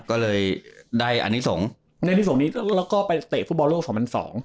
ก็เลยได้อันนี้ส่งได้นิสงนี้แล้วก็ไปเตะฟุตบอลโลกสองพันสอง